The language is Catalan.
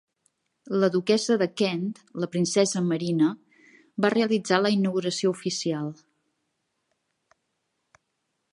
La duquessa de Kent, la princesa Marina, va realitzar la inauguració oficial.